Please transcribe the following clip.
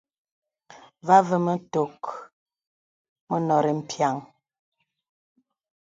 Vὰ àvə mə tòk mə nòrí mpiàŋ.